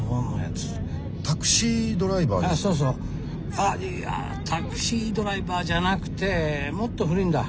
あっいや「タクシードライバー」じゃなくてもっと古いんだ。